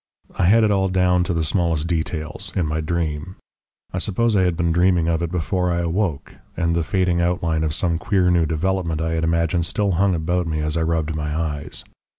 I had it all down to the smallest details in my dream. I suppose I had been dreaming of it before I awoke, and the fading outline of some queer new development I had imagined still hung about me as I rubbed my eyes.